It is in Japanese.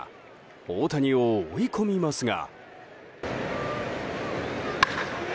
大谷を追い込みますが。